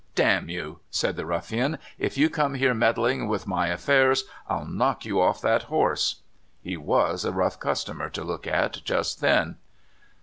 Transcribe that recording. *' Damn you! " said the ruffian, *' if you come here meddling with my affairs, Pll knock you off that horse." l6 CALIFORNIA SKETCHES. He was a rough customer to look at just then.